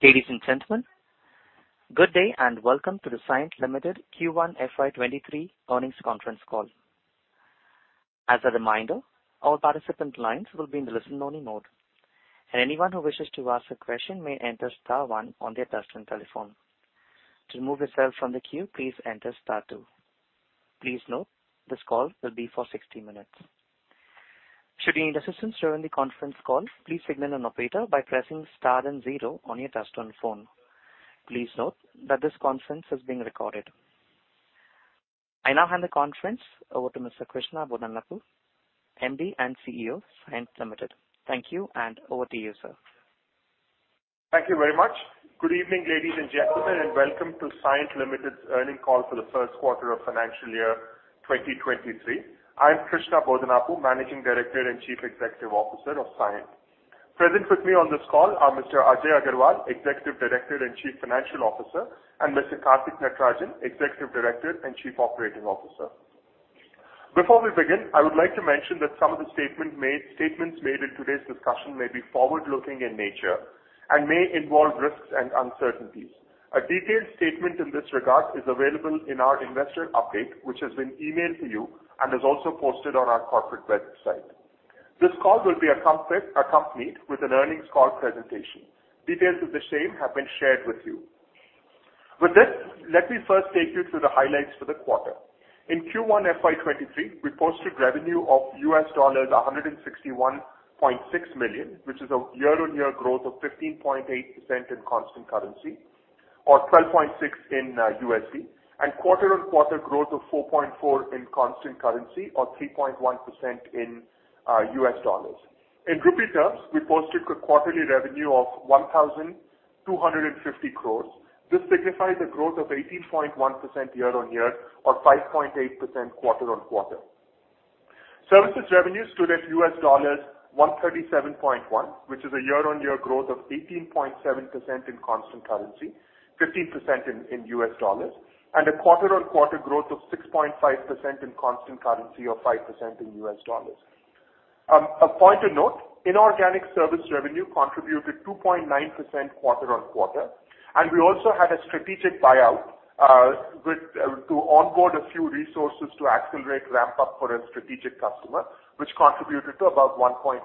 Ladies and gentlemen, good day, and welcome to the Cyient Limited Q1 FY23 earnings conference call. As a reminder, all participant lines will be in the listen-only mode, and anyone who wishes to ask a question may enter star one on their touchtone telephone. To remove yourself from the queue, please enter star two. Please note this call will be for 60 minutes. Should you need assistance during the conference call, please signal an operator by pressing star and zero on your touchtone phone. Please note that this conference is being recorded. I now hand the conference over to Mr. Krishna Bodanapu, MD and CEO of Cyient Limited. Thank you, and over to you, sir. Thank you very much. Good evening, ladies and gentlemen, and welcome to Cyient Limited's earnings call for the first quarter of financial year 2023. I'm Krishna Bodanapu, Managing Director and Chief Executive Officer of Cyient. Present with me on this call are Mr. Ajay Aggarwal, Executive Director and Chief Financial Officer, and Mr. Karthik Natarajan, Executive Director and Chief Operating Officer. Before we begin, I would like to mention that some of the statements made in today's discussion may be forward-looking in nature and may involve risks and uncertainties. A detailed statement in this regard is available in our investor update, which has been emailed to you and is also posted on our corporate website. This call will be accompanied with an earnings call presentation. Details of the same have been shared with you. With this, let me first take you through the highlights for the quarter. In Q1 FY23, we posted revenue of $161.6 million, which is a year-on-year growth of 15.8% in constant currency or 12.6% in USD, and quarter-on-quarter growth of 4.4% in constant currency or 3.1% in US dollars. In rupee terms, we posted a quarterly revenue of 1,250 crore. This signifies a growth of 18.1% year-on-year or 5.8% quarter-on-quarter. Services revenue stood at $137.1 million, which is a year-on-year growth of 18.7% in constant currency, 15% in US dollars, and a quarter-on-quarter growth of 6.5% in constant currency or 5% in US dollars. A point to note, inorganic service revenue contributed 2.9% quarter-on-quarter, and we also had a strategic buyout with to onboard a few resources to accelerate ramp-up for a strategic customer, which contributed to about 1.1%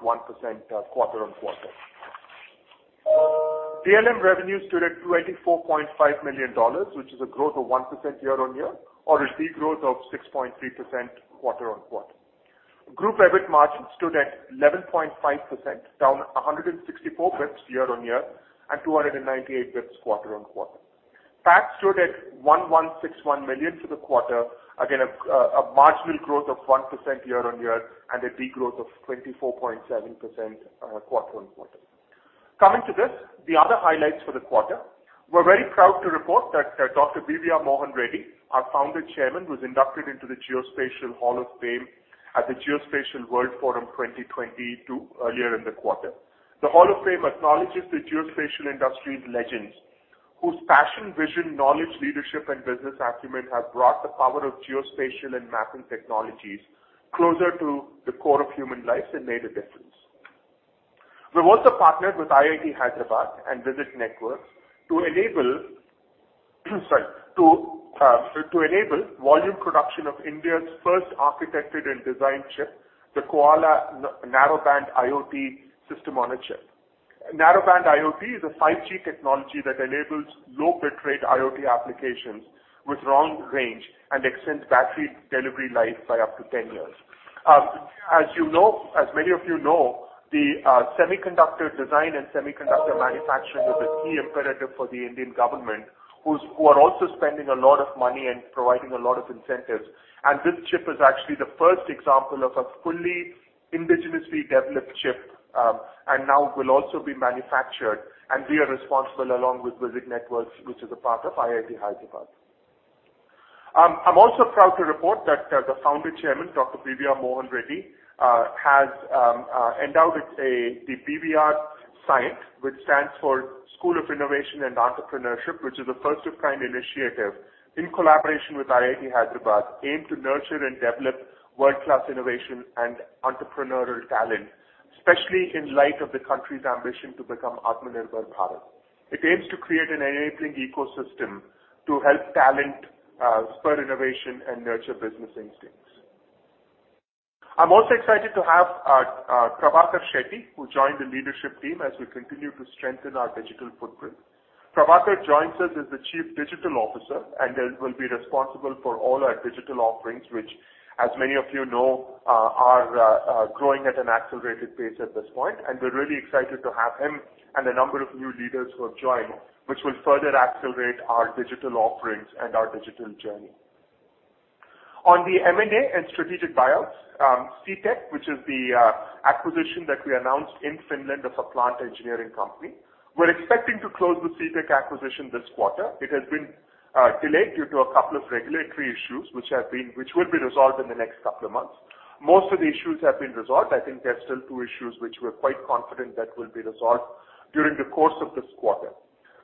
quarter-on-quarter. DLM revenue stood at $24.5 million, which is a growth of 1% year-on-year or a degrowth of 6.3% quarter-on-quarter. Group EBIT margin stood at 11.5%, down 164 basis points year-on-year and 298 basis points quarter-on-quarter. PAT stood at 116.1 million for the quarter. Again, a marginal growth of 1% year-on-year and a degrowth of 24.7% quarter-on-quarter. Coming to this, the other highlights for the quarter. We're very proud to report that, Dr. B.V.R. Mohan Reddy. Mohan Reddy, our founder chairman, was inducted into the Geospatial Hall of Fame at the Geospatial World Forum 2022 earlier in the quarter. The Hall of Fame acknowledges the geospatial industry's legends whose passion, vision, knowledge, leadership, and business acumen have brought the power of geospatial and mapping technologies closer to the core of human lives and made a difference. We've also partnered with IIT Hyderabad and WiSig Networks to enable volume production of India's first architected and designed chip, the Koala Narrowband IoT System-on-a-Chip. Narrowband IoT is a 5G technology that enables low bit rate IoT applications with long range and extends battery delivery life by up to 10 years. As many of you know, the semiconductor design and semiconductor manufacturing is a key imperative for the Indian government, who are also spending a lot of money and providing a lot of incentives. This chip is actually the first example of a fully indigenously developed chip, and now will also be manufactured. We are responsible along with WiSig Networks, which is a part of IIT Hyderabad. I'm also proud to report that the founder chairman, Dr. B.V.R. Mohan Reddy has endowed the BVR Mohan Reddy School of Innovation and Entrepreneurship, which is a first-of-its-kind initiative in collaboration with IIT Hyderabad, aimed to nurture and develop world-class innovation and entrepreneurial talent, especially in light of the country's ambition to become Atmanirbhar Bharat. It aims to create an enabling ecosystem to help talent spur innovation and nurture business instincts. I'm also excited to have Prabhakar Atla, who joined the leadership team as we continue to strengthen our digital footprint. Prabhakar Atla joins us as the Chief Digital Officer and will be responsible for all our digital offerings, which, as many of you know, are growing at an accelerated pace at this point. We're really excited to have him and a number of new leaders who have joined, which will further accelerate our digital offerings and our digital journey. On the M&A and strategic buyouts, Citec, which is the acquisition that we announced in Finland of a plant engineering company. We're expecting to close the Citec acquisition this quarter. It has been delayed due to a couple of regulatory issues which will be resolved in the next couple of months. Most of the issues have been resolved. I think there are still two issues which we're quite confident that will be resolved during the course of this quarter.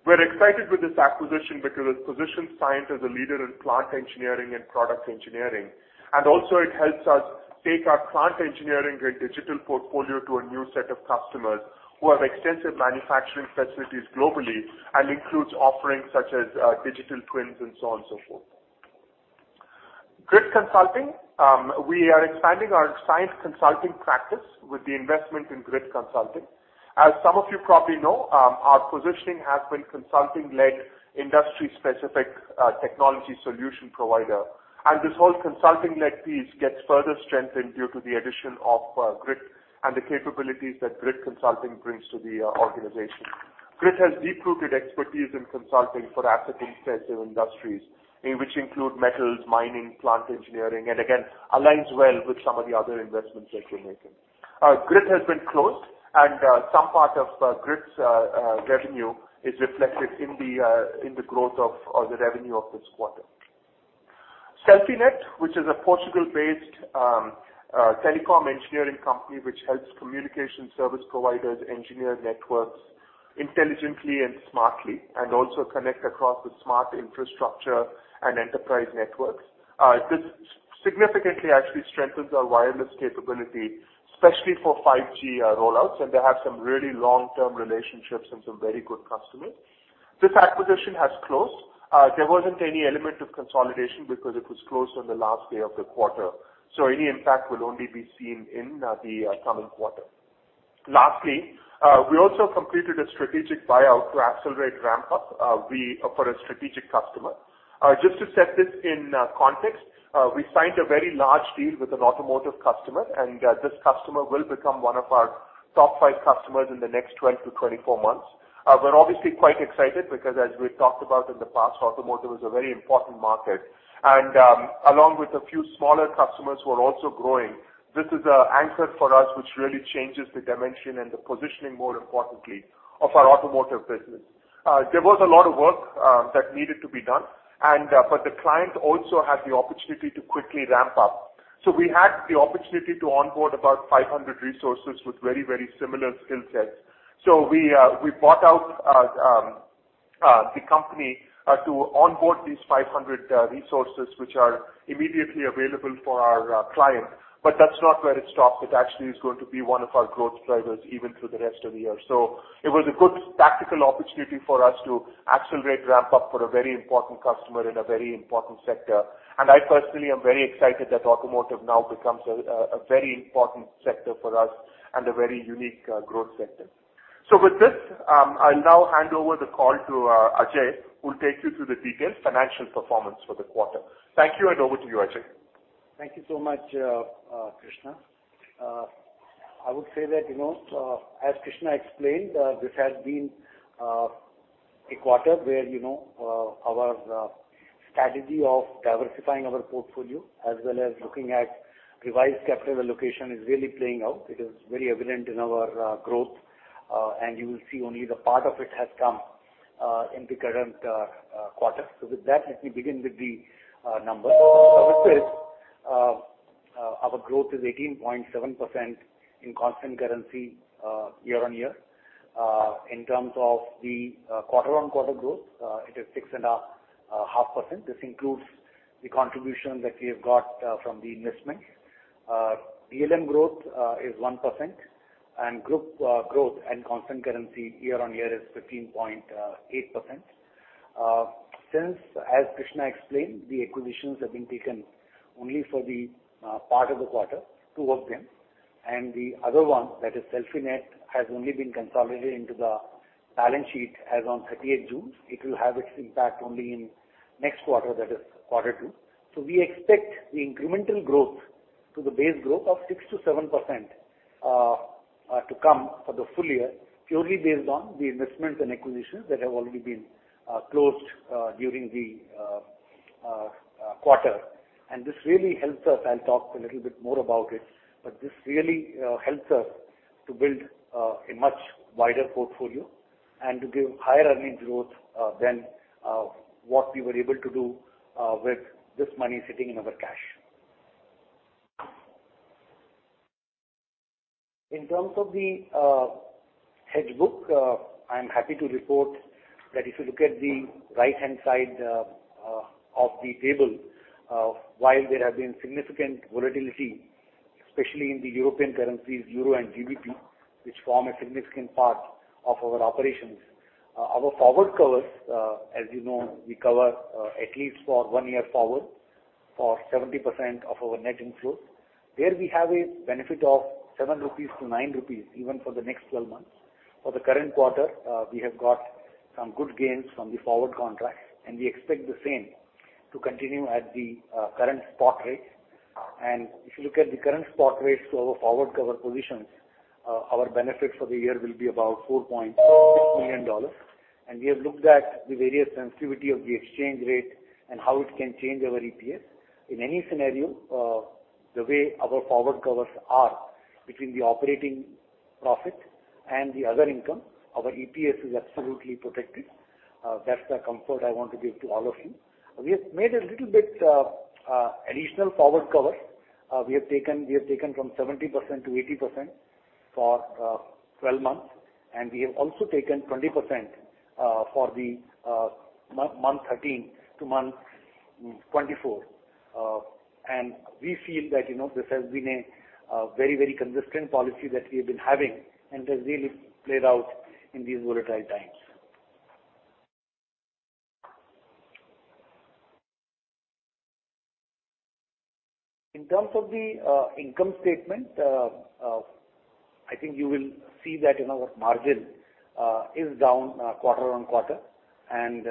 We're excited with this acquisition because it positions Cyient as a leader in plant engineering and product engineering. It also helps us take our plant engineering and digital portfolio to a new set of customers who have extensive manufacturing facilities globally, and includes offerings such as digital twins and so on and so forth. Grit Consulting. We are expanding our science consulting practice with the investment in Grit Consulting. As some of you probably know, our positioning has been consulting-led, industry-specific, technology solution provider, and this whole consulting-led piece gets further strengthened due to the addition of Grit and the capabilities that Grit Consulting brings to the organization. Grit has deep-rooted expertise in consulting for asset-intensive industries, in which include metals, mining, plant engineering, and again, aligns well with some of the other investments that we're making. Grit has been closed, and some part of Grit's revenue is reflected in the growth of the revenue of this quarter. Celfinet, which is a Portugal-based telecom engineering company which helps communication service providers engineer networks intelligently and smartly, and also connect across the smart infrastructure and enterprise networks. This significantly actually strengthens our wireless capability, especially for 5G rollouts, and they have some really long-term relationships and some very good customers. This acquisition has closed. There wasn't any element of consolidation because it was closed on the last day of the quarter, so any impact will only be seen in the coming quarter. Lastly, we also completed a strategic buyout to accelerate ramp up for a strategic customer. Just to set this in context, we signed a very large deal with an automotive customer, and this customer will become one of our top five customers in the next 12-24 months. We're obviously quite excited because as we've talked about in the past, automotive is a very important market. Along with a few smaller customers who are also growing, this is an anchor for us which really changes the dimension and the positioning, more importantly, of our automotive business. There was a lot of work that needed to be done, but the client also had the opportunity to quickly ramp up. We had the opportunity to onboard about 500 resources with very, very similar skill sets. We bought out the company to onboard these 500 resources, which are immediately available for our client. That's not where it stops. It actually is going to be one of our growth drivers even through the rest of the year. It was a good tactical opportunity for us to accelerate ramp up for a very important customer in a very important sector. I personally am very excited that automotive now becomes a very important sector for us and a very unique growth sector. With this, I'll now hand over the call to Ajay, who will take you through the detailed financial performance for the quarter. Thank you, and over to you, Ajay. Thank you so much, Krishna. I would say that, you know, as Krishna explained, this has been a quarter where, you know, our strategy of diversifying our portfolio as well as looking at revised capital allocation is really playing out. It is very evident in our growth, and you will see only the part of it has come in the current quarter. With that, let me begin with the numbers. With this, our growth is 18.7% in constant currency year-on-year. In terms of the quarter-on-quarter growth, it is six and a half percent. This includes the contribution that we have got from the investments. DLM growth is 1%, and group growth and constant currency year-on-year is 15.8%. Since, as Krishna explained, the acquisitions have been taken only for the part of the quarter, two of them, and the other one, that is Celfinet, has only been consolidated into the balance sheet as on 30th June. It will have its impact only in next quarter, that is quarter two. We expect the incremental growth to the base growth of 6%-7% to come for the full year, purely based on the investments and acquisitions that have already been closed during the quarter. This really helps us. I'll talk a little bit more about it, but this really helps us to build a much wider portfolio and to give higher earnings growth than what we were able to do with this money sitting in our cash. In terms of the hedge book, I'm happy to report that if you look at the right-hand side of the table, while there have been significant volatility, especially in the European currencies, Euro and GBP, which form a significant part of our operations, our forward covers, as you know, we cover at least for one year forward for 70% of our net inflows. There we have a benefit of 7-9 rupees even for the next 12 months. For the current quarter, we have got some good gains from the forward contracts, and we expect the same to continue at the current spot rates. If you look at the current spot rates to our forward cover positions, our benefit for the year will be about $4.6 million. We have looked at the various sensitivity of the exchange rate and how it can change our EPS. In any scenario, the way our forward covers are between the operating profit and the other income, our EPS is absolutely protected. That's the comfort I want to give to all of you. We have made a little bit additional forward cover. We have taken from 70%-80% for 12 months, and we have also taken 20% for months 13 to 24. We feel that, you know, this has been a very consistent policy that we have been having and has really played out in these volatile times. In terms of the income statement, I think you will see that, you know, our margin is down quarter-on-quarter and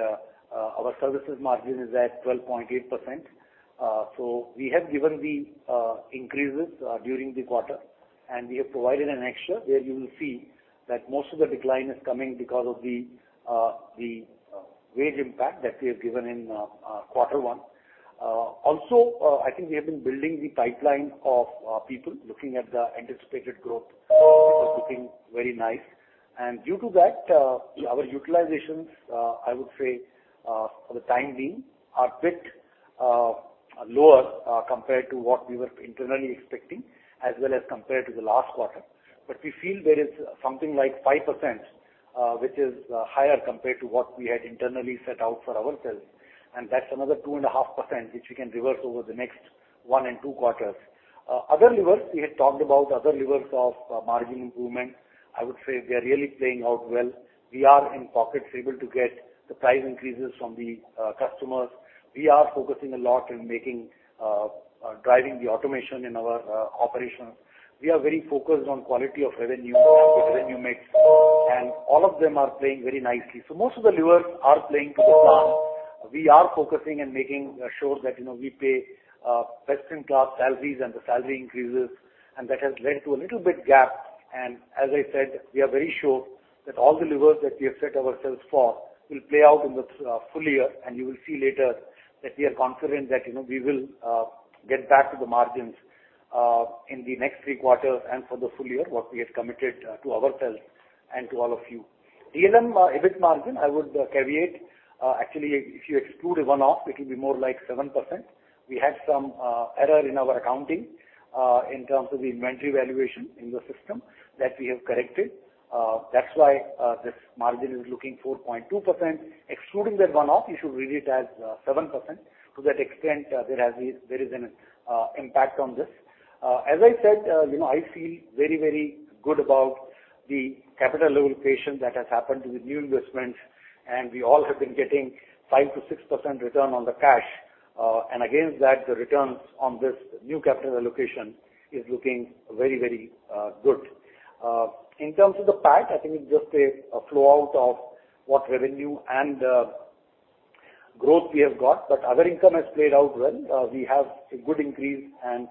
our services margin is at 12.8%. We have given the increases during the quarter, and we have provided an extra. There you will see that most of the decline is coming because of the wage impact that we have given in quarter one. Also, I think we have been building the pipeline of people looking at the anticipated growth which is looking very nice. Due to that, our utilizations, I would say, for the time being are a bit lower compared to what we were internally expecting as well as compared to the last quarter. We feel there is something like 5% which is higher compared to what we had internally set out for ourselves, and that's another 2.5% which we can reverse over the next one and two quarters. Other levers we had talked about of margin improvement. I would say they're really playing out well. We are in pockets able to get the price increases from the customers. We are focusing a lot in driving the automation in our operations. We are very focused on quality of revenue and revenue mix, and all of them are playing very nicely. Most of the levers are playing to the plan. We are focusing and making sure that, you know, we pay best-in-class salaries and the salary increases, and that has led to a little bit gap. As I said, we are very sure that all the levers that we have set ourselves for will play out in the full year. You will see later that we are confident that, you know, we will get back to the margins in the next three quarters and for the full year what we have committed to ourselves and to all of you. DLM, EBIT margin, I would caveat, actually if you exclude a one-off it will be more like 7%. We had some error in our accounting, in terms of the inventory valuation in the system that we have corrected. That's why this margin is looking 4.2%. Excluding that one-off, you should read it as 7%. To that extent, there is an impact on this. As I said, you know, I feel very, very good about the capital allocation that has happened with new investments, and we all have been getting 5%-6% return on the cash. Against that, the returns on this new capital allocation is looking very, very good. In terms of the PAT, I think it's just a flow out of what revenue and growth we have got. Other income has played out well. We have a good increase and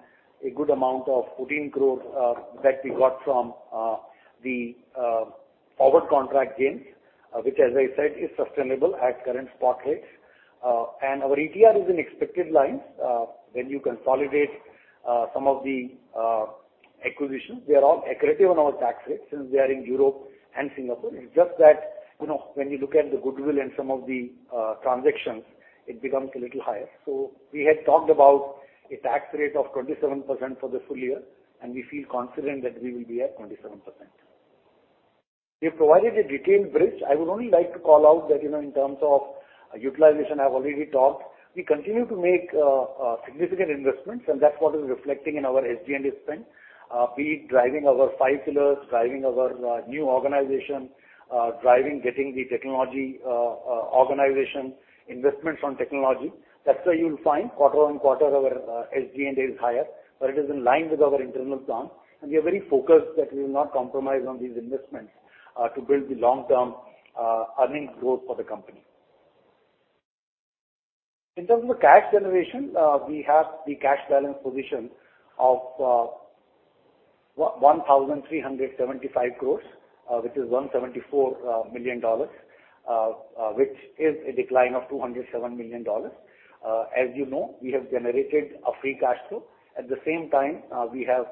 a good amount of INR 14 crore that we got from the forward contract gains, which as I said, is sustainable at current spot rates. Our ETR is in expected lines. When you consolidate some of the acquisitions, they are all accretive on our tax rates since we are in Europe and Singapore. It's just that, you know, when you look at the goodwill and some of the transactions, it becomes a little higher. We had talked about a tax rate of 27% for the full year, and we feel confident that we will be at 27%. We have provided a detailed bridge. I would only like to call out that, you know, in terms of utilization, I've already talked. We continue to make significant investments, and that's what is reflecting in our SG&A spend. Be it driving our five pillars, driving our new organization, driving getting the technology organization investments on technology. That's why you'll find quarter-on-quarter our SG&A is higher, but it is in line with our internal plan. We are very focused that we will not compromise on these investments to build the long-term earnings growth for the company. In terms of cash generation, we have the cash balance position of 1,375 crores, which is $174 million, which is a decline of $207 million. As you know, we have generated a free cash flow. At the same time, we have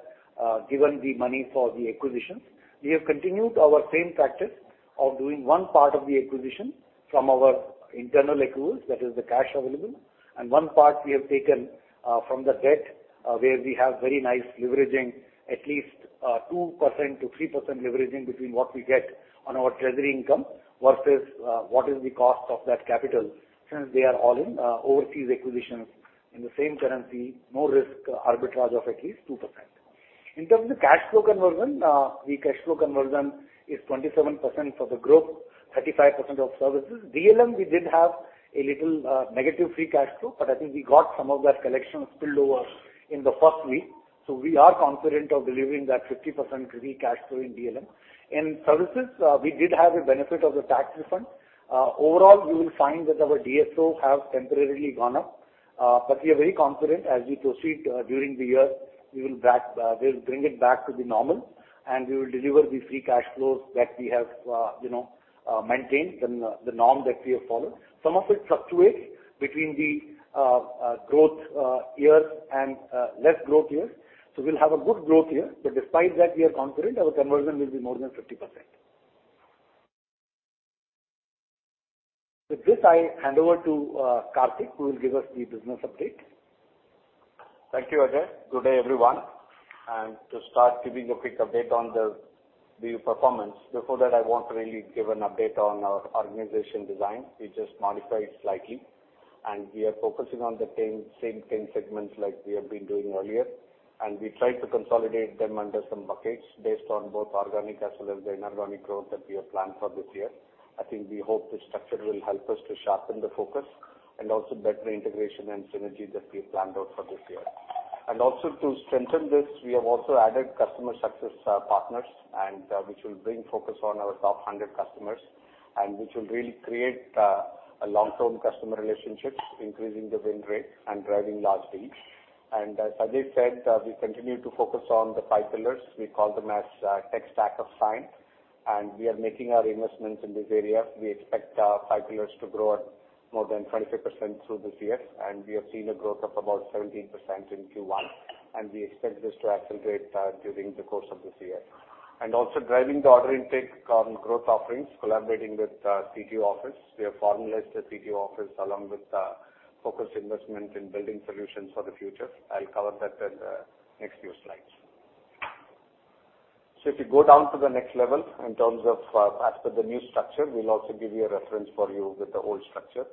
given the money for the acquisitions. We have continued our same practice of doing one part of the acquisition from our internal accruals, that is the cash available. One part we have taken from the debt, where we have very nice leveraging, at least 2%-3% leveraging between what we get on our treasury income versus what is the cost of that capital since they are all in overseas acquisitions in the same currency, no risk arbitrage of at least 2%. In terms of cash flow conversion, the cash flow conversion is 27% for the growth, 35% of services. DLM, we did have a little negative free cash flow, but I think we got some of that collection spill over in the first week. We are confident of delivering that 50% free cash flow in DLM. In services, we did have a benefit of the tax refund. Overall, you will find that our DSO have temporarily gone up. But we are very confident as we proceed during the year, we'll bring it back to the normal, and we will deliver the free cash flows that we have, you know, maintained and the norm that we have followed. Some of it fluctuates between the growth years and less growth years. We'll have a good growth year, but despite that we are confident our conversion will be more than 50%. With this, I hand over to Karthik, who will give us the business update. Thank you, Ajay. Good day, everyone. To start giving a quick update on the performance. Before that, I want to really give an update on our organization design. We just modified slightly, and we are focusing on the same ten segments like we have been doing earlier. We try to consolidate them under some buckets based on both organic as well as the inorganic growth that we have planned for this year. I think we hope this structure will help us to sharpen the focus and also better integration and synergy that we have planned out for this year. To strengthen this, we have also added customer success, partners and which will bring focus on our top hundred customers and which will really create, long-term customer relationships, increasing the win rate and driving large deals. As Ajay said, we continue to focus on the five pillars. We call them as tech stack of Cyient, and we are making our investments in this area. We expect our five pillars to grow at more than 25% through this year, and we have seen a growth of about 17% in Q1, and we expect this to accelerate during the course of this year. Also driving the order intake on growth offerings, collaborating with CTO office. We have formalized the CTO office along with focus investment in building solutions for the future. I'll cover that in the next few slides. If you go down to the next level in terms of as per the new structure, we'll also give you a reference for you with the old structure.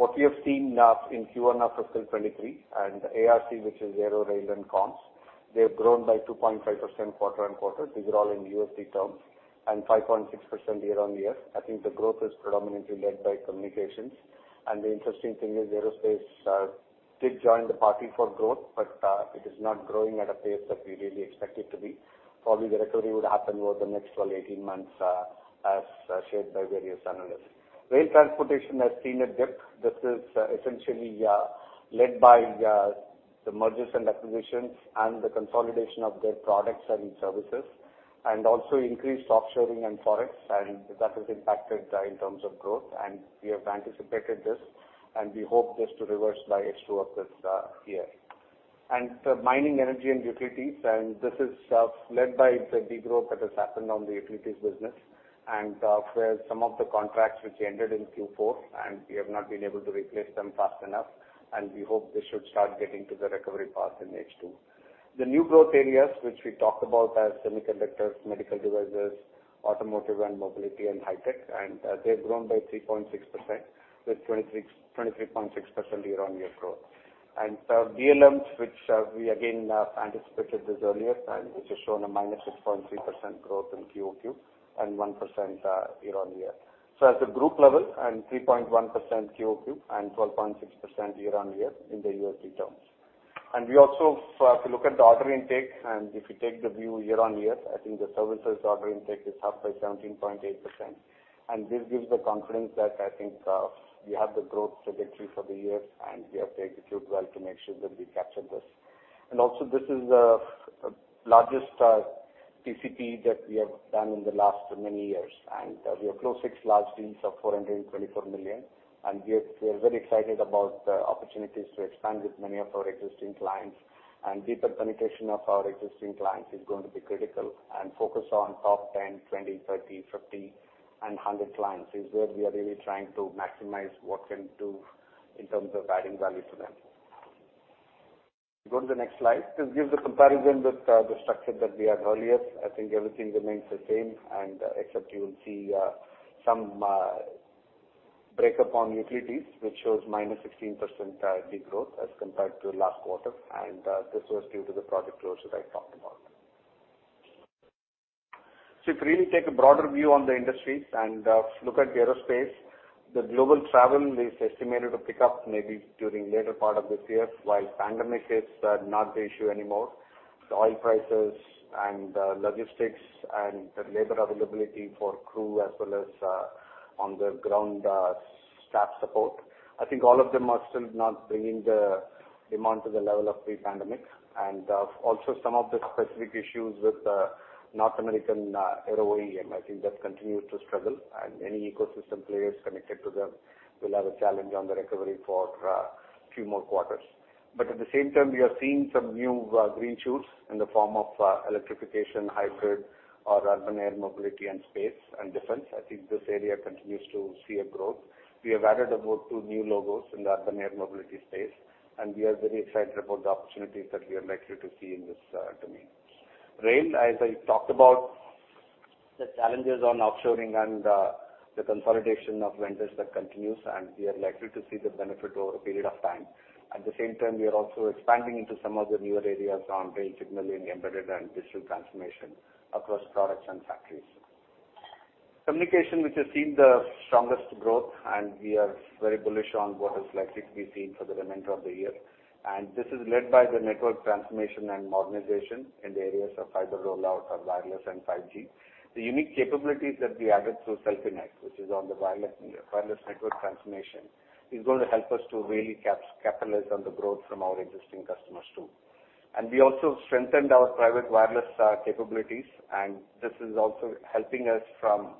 What we have seen now in Q1 of fiscal 2023 and ARC, which is Aero, Rail and Comms, they have grown by 2.5% quarter-on-quarter. These are all in USD terms and 5.6% year-on-year. I think the growth is predominantly led by communications. The interesting thing is aerospace did join the party for growth, but it is not growing at a pace that we really expect it to be. Probably the recovery would happen over the next 12-18 months, as shared by various analysts. Rail transportation has seen a dip. This is essentially led by the mergers and acquisitions and the consolidation of their products and services, and also increased offshoring and forex. That has impacted in terms of growth. We have anticipated this, and we hope this to reverse by H2 of this year. Mining energy and utilities, and this is led by the degrowth that has happened on the utilities business and, where some of the contracts which ended in Q4 and we have not been able to replace them fast enough, and we hope this should start getting to the recovery path in H2. The new growth areas which we talked about as semiconductors, medical devices, automotive and mobility and high tech, and they've grown by 3.6% with 23.6% year-on-year growth. DLM, which we again anticipated this earlier and which has shown a -6.3% growth in QOQ and 1% year-on-year. At the group level and 3.1% QoQ and 12.6% year-on-year in the USD terms. We also, if you look at the order intake and if you take the view year-on-year, I think the services order intake is up by 17.8%. This gives the confidence that I think we have the growth trajectory for the year, and we have taken it well to make sure that we capture this. Also this is the largest TCV that we have done in the last many years. We have closed six large deals of $424 million. We are very excited about the opportunities to expand with many of our existing clients. Deeper penetration of our existing clients is going to be critical and focus on top 10, 20, 30, 50 and 100 clients is where we are really trying to maximize what we can do in terms of adding value to them. Go to the next slide. This gives a comparison with the structure that we had earlier. I think everything remains the same except you will see some breakdown on utilities which shows minus 16% degrowth as compared to last quarter. This was due to the project closure I talked about. If you really take a broader view on the industries and look at the aerospace, the global travel is estimated to pick up maybe during later part of this year, while pandemic is not the issue anymore. The oil prices and, logistics and the labor availability for crew as well as, on the ground, staff support, I think all of them are still not bringing the demand to the level of pre-pandemic. Also some of the specific issues with, North American, Aero OEM, I think that continues to struggle. Any ecosystem players connected to them will have a challenge on the recovery for, few more quarters. At the same time, we are seeing some new, green shoots in the form of, electrification, hybrid or urban air mobility and space and defense. I think this area continues to see a growth. We have added about two new logos in the urban air mobility space, and we are very excited about the opportunities that we are likely to see in this, domain. Rail, as I talked about the challenges on offshoring and the consolidation of vendors that continues, and we are likely to see the benefit over a period of time. At the same time, we are also expanding into some of the newer areas on rail signaling, embedded and digital transformation across products and factories. Communication, which has seen the strongest growth, and we are very bullish on what is likely to be seen for the remainder of the year. This is led by the network transformation and modernization in the areas of fiber rollout or wireless and 5G. The unique capabilities that we added through Celfinet, which is on the wireless network transformation, is going to help us to really capitalize on the growth from our existing customers too. We also strengthened our private wireless capabilities. This is also helping us from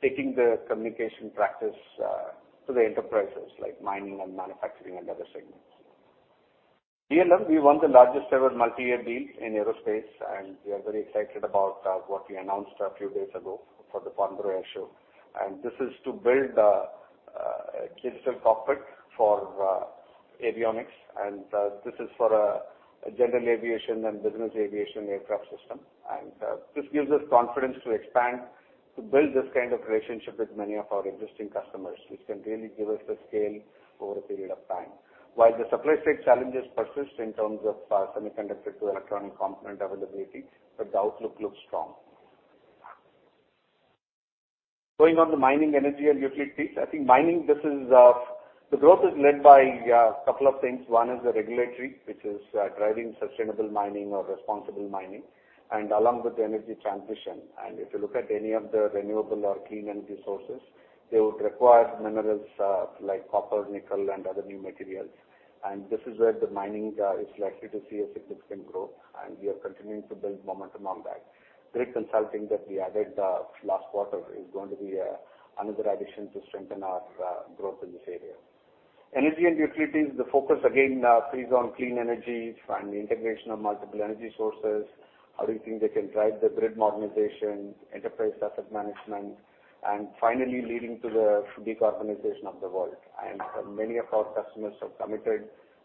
taking the communication practice to the enterprises like mining and manufacturing and other segments. DLM, we won the largest ever multi-year deal in aerospace, and we are very excited about what we announced a few days ago for the Farnborough Airshow. This is to build a digital cockpit for avionics, and this is for a general aviation and business aviation aircraft system. This gives us confidence to expand, to build this kind of relationship with many of our existing customers, which can really give us the scale over a period of time. While the supply side challenges persist in terms of semiconductor to electronic component availability, the outlook looks strong. Going on the mining energy and utilities, I think mining, this is, the growth is led by couple of things. One is the regulatory, which is driving sustainable mining or responsible mining, and along with the energy transition. If you look at any of the renewable or clean energy sources, they would require minerals like copper, nickel and other new materials. This is where the mining is likely to see a significant growth, and we are continuing to build momentum on that. Grit Consulting that we added last quarter is going to be another addition to strengthen our growth in this area. Energy and utilities, the focus again is on clean energy and the integration of multiple energy sources. How do you think they can drive the grid modernization, enterprise asset management, and finally leading to the decarbonization of the world? Many of our customers have committed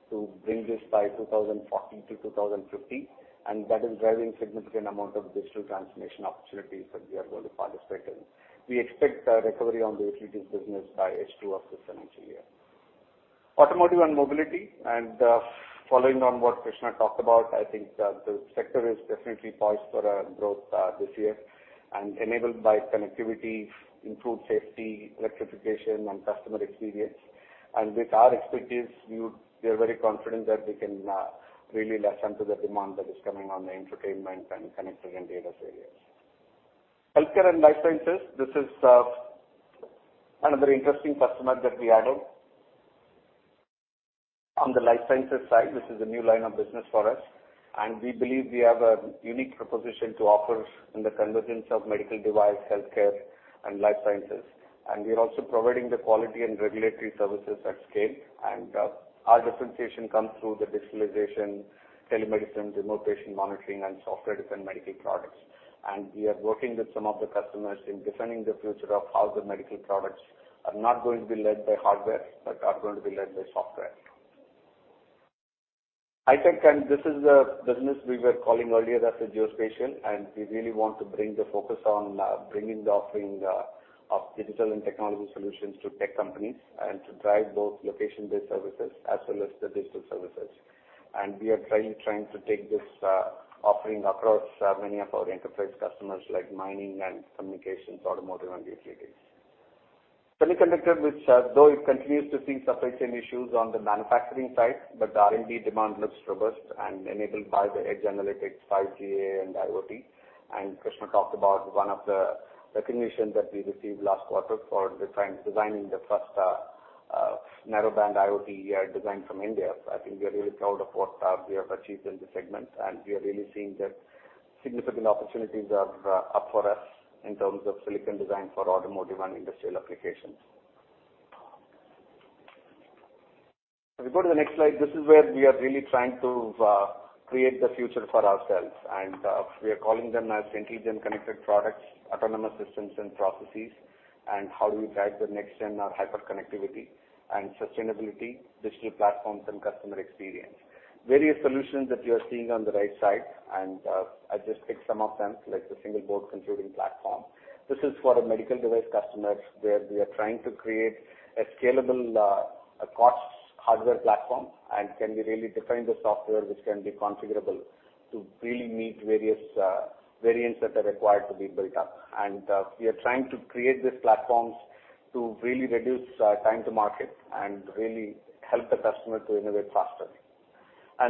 to bring this by 2040 to 2050, and that is driving significant amount of digital transformation opportunities that we are going to participate in. We expect a recovery on the utilities business by H2 of this financial year. Automotive and mobility, and following on what Krishna talked about, I think the sector is definitely poised for growth this year and enabled by connectivity, improved safety, electrification and customer experience. With our expertise, we are very confident that we can really listen to the demand that is coming on the entertainment and connected and data areas. Healthcare and life sciences. This is another interesting customer that we added. On the life sciences side, this is a new line of business for us, and we believe we have a unique proposition to offer in the convergence of medical device, healthcare and life sciences. We are also providing the quality and regulatory services at scale. Our differentiation comes through the digitalization, telemedicine, remote patient monitoring and software-defined medical products. We are working with some of the customers in defining the future of how the medical products are not going to be led by hardware, but are going to be led by software. High tech. This is the business we were calling earlier as the geospatial, and we really want to bring the focus on bringing the offering of digital and technology solutions to tech companies and to drive both location-based services as well as the digital services. We are trying to take this offering across many of our enterprise customers like mining and communications, automotive and utilities. Semiconductor, which though it continues to see supply chain issues on the manufacturing side, but the R&D demand looks robust and enabled by the edge analytics, 5G and IoT. Krishna talked about one of the recognition that we received last quarter for designing the first narrowband IoT design from India. I think we are really proud of what we have achieved in this segment, and we are really seeing that significant opportunities are up for us in terms of silicon design for automotive and industrial applications. As we go to the next slide, this is where we are really trying to create the future for ourselves, and we are calling them as intelligent connected products, autonomous systems and processes and how do we drive the next gen of hyperconnectivity and sustainability, digital platforms and customer experience. Various solutions that you are seeing on the right side, and I just picked some of them, like the single board computing platform. This is for a medical device customers, where we are trying to create a scalable, low-cost hardware platform and can be really define the software which can be configurable to really meet various variants that are required to be built up. We are trying to create these platforms to really reduce time to market and really help the customer to innovate faster.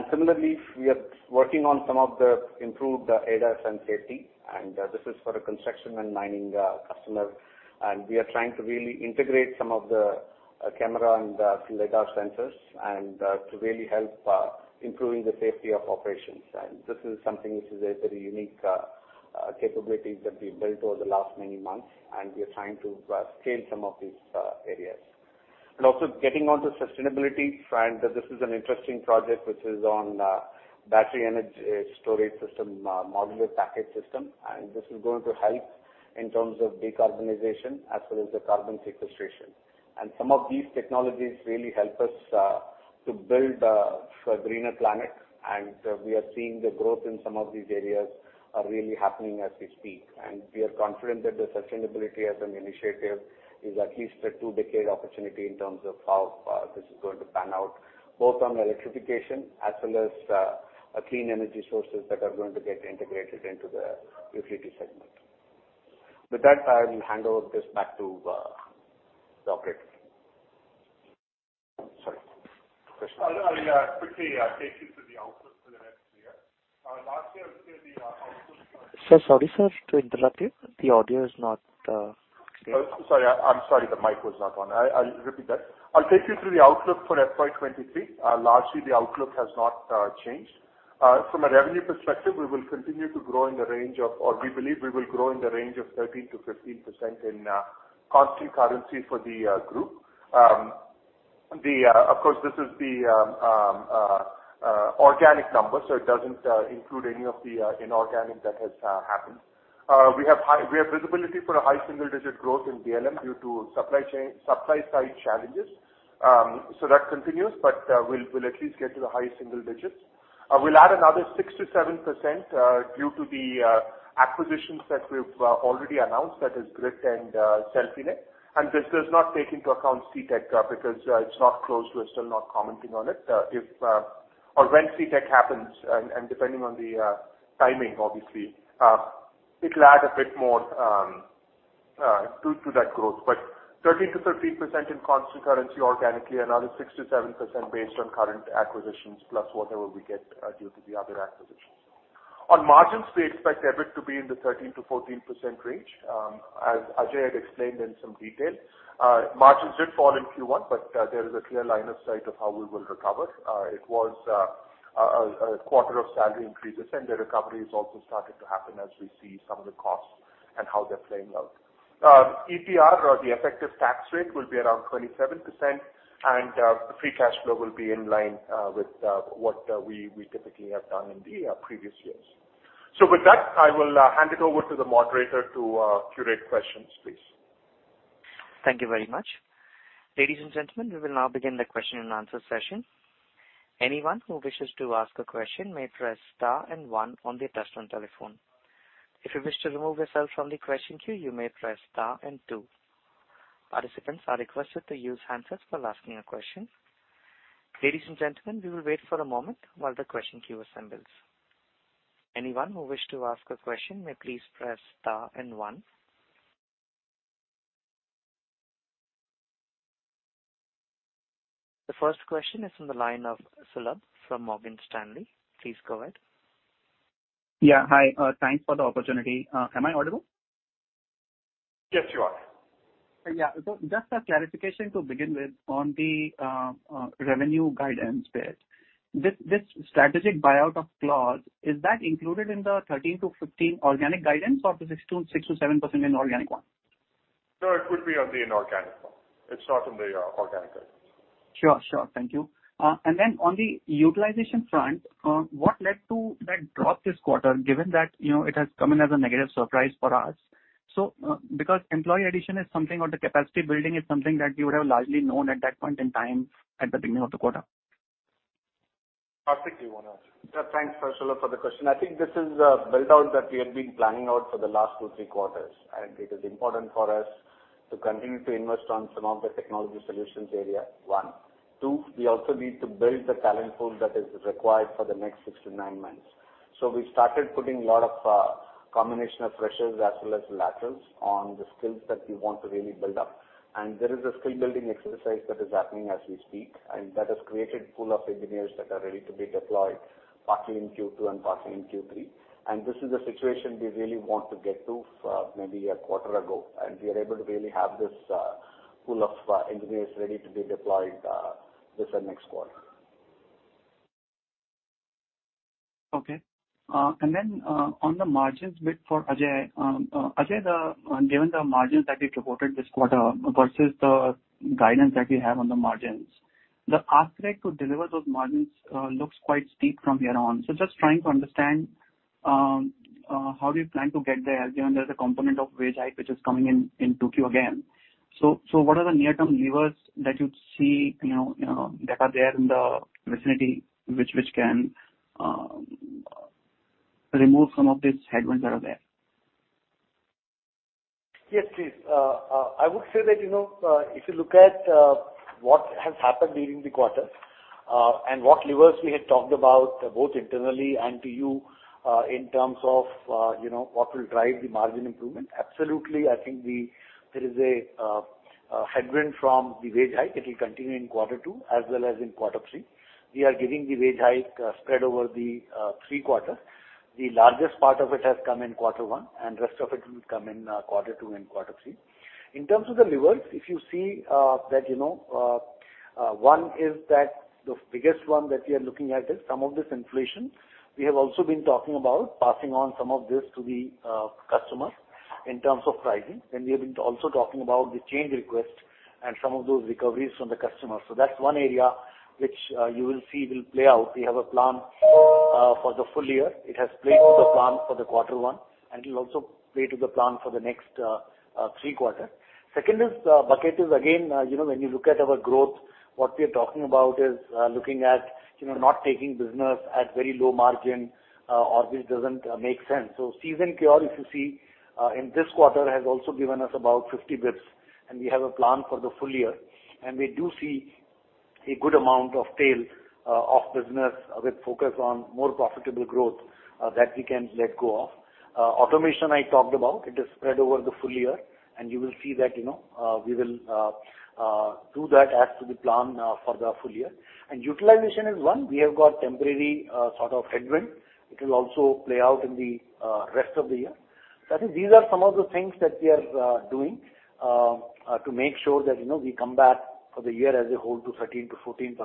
Similarly, we are working on some of the improved ADAS and safety, and this is for a construction and mining customer. We are trying to really integrate some of the camera and LiDAR sensors and to really help improving the safety of operations. This is something which is a very unique capability that we built over the last many months, and we are trying to scale some of these areas. Also getting on to sustainability. This is an interesting project which is on battery energy storage system modular package system. This is going to help in terms of decarbonization as well as the carbon sequestration. Some of these technologies really help us to build a greener planet. We are seeing the growth in some of these areas are really happening as we speak. We are confident that the sustainability as an initiative is at least a two-decade opportunity in terms of how this is going to pan out, both on electrification as well as a clean energy sources that are going to get integrated into the utility segment. With that, I will hand over this back to the operator. Sorry. Krishna? I'll quickly take you to the outlook for the next year. Last year we gave the outlook. Sir, sorry, sir, to interrupt you. The audio is not clear. Oh, sorry. I'm sorry the mic was not on. I'll repeat that. I'll take you through the outlook for FY 2023. Largely the outlook has not changed. From a revenue perspective, we believe we will grow in the range of 13%-15% in constant currency for the group. Of course, this is the organic number, so it doesn't include any of the inorganic that has happened. We have visibility for a high single-digit growth in DLM due to supply chain supply-side challenges. So that continues. We'll at least get to the high single digits. We'll add another 6%-7% due to the acquisitions that we've already announced, that is Grit and Celfinet. This does not take into account Citec because it's not closed, we're still not commenting on it. If or when Citec happens and depending on the timing, obviously, it'll add a bit more to that growth. 13%-15% in constant currency organically, another 6%-7% based on current acquisitions, plus whatever we get due to the other acquisitions. On margins, we expect EBIT to be in the 13%-14% range. As Ajay had explained in some detail, margins did fall in Q1, but there is a clear line of sight of how we will recover. It was a quarter of salary increases, and the recovery has also started to happen as we see some of the costs and how they're playing out. ETR or the effective tax rate will be around 27%, and free cash flow will be in line with what we typically have done in the previous years. With that, I will hand it over to the moderator to curate questions, please. Thank you very much. Ladies and gentlemen, we will now begin the question and answer session. Anyone who wishes to ask a question may press star and one on their touchtone telephone. If you wish to remove yourself from the question queue, you may press star and two. Participants are requested to use handsets for asking a question. Ladies and gentlemen, we will wait for a moment while the question queue assembles. Anyone who wish to ask a question may please press star and one. The first question is from the line of Sulabh from Morgan Stanley. Please go ahead. Yeah, hi. Thanks for the opportunity. Am I audible? Yes, you are. Just a clarification to begin with on the revenue guidance bit. This strategic buyout of Celfinet, is that included in the 13%-15% organic guidance or the 6%-7% inorganic one? No, it would be on the inorganic one. It's not in the organic guidance. Sure, sure. Thank you. On the utilization front, what led to that drop this quarter, given that, you know, it has come in as a negative surprise for us? Because employee addition is something or the capacity building is something that you would have largely known at that point in time at the beginning of the quarter. Mr. Karthik Natarajan, do you wanna? Yeah, thanks, Sulabh, for the question. I think this is build out that we have been planning out for the last two, three quarters. It is important for us to continue to invest on some of the technology solutions area, one. Two, we also need to build the talent pool that is required for the next six to nine months. We started putting a lot of combination of freshers as well as laterals on the skills that we want to really build up. There is a skill building exercise that is happening as we speak, and that has created pool of engineers that are ready to be deployed partly in Q2 and partly in Q3. This is a situation we really want to get to maybe a quarter ago, and we are able to really have this pool of engineers ready to be deployed this and next quarter. Okay. And then, on the margins bit for Ajay. Ajay, given the margins that you reported this quarter versus the guidance that you have on the margins, the aspiration to deliver those margins looks quite steep from here on. Just trying to understand how you plan to get there, given there's a component of wage hike which is coming in 2Q again. What are the near-term levers that you see, you know, that are there in the vicinity which can remove some of these headwinds that are there? Yes, please. I would say that, you know, if you look at what has happened during the quarter, and what levers we had talked about both internally and to you, in terms of, you know, what will drive the margin improvement, absolutely, I think there is a headwind from the wage hike. It will continue in quarter two as well as in quarter three. We are giving the wage hike, spread over the three quarters. The largest part of it has come in quarter one, and rest of it will come in quarter two and quarter three. In terms of the levers, if you see that, you know, one is that the biggest one that we are looking at is some of this inflation. We have also been talking about passing on some of this to the customers in terms of pricing. We have been also talking about the change request and some of those recoveries from the customers. That's one area which you will see will play out. We have a plan for the full year. It has played to the plan for quarter one, and it'll also play to the plan for the next three quarters. Second is bucket is again, you know, when you look at our growth, what we are talking about is looking at, you know, not taking business at very low margin or which doesn't make sense. So SG&A, if you see, in this quarter has also given us about 50 basis points, and we have a plan for the full year. We do see a good amount of tail of business with focus on more profitable growth that we can let go of. Automation I talked about. It is spread over the full year. You will see that, you know, we will do that as per the plan for the full year. Utilization is one. We have got temporary sort of headwind. It will also play out in the rest of the year. I think these are some of the things that we are doing to make sure that, you know, we come back for the year as a whole to 13%-14%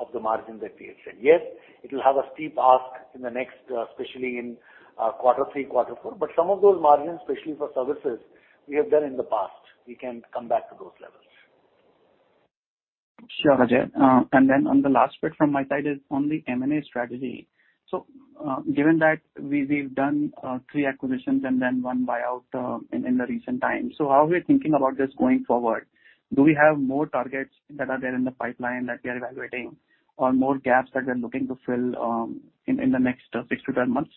of the margin that we had said. Yes, it will have a steep ask in the next, especially in quarter three, quarter four. Some of those margins, especially for services, we have done in the past. We can come back to those levels. Sure, Ajay. On the last bit from my side is on the M&A strategy. Given that we've done three acquisitions and then one buyout in recent times, how are we thinking about this going forward? Do we have more targets that are there in the pipeline that we are evaluating or more gaps that we are looking to fill in the next six to 12 months?